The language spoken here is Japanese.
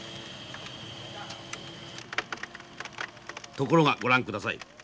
ところがご覧ください。